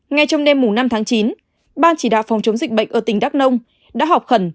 ngay trong đêm năm tháng chín ban chỉ đạo phòng chống dịch bệnh ở tỉnh đắk nông đã họp khẩn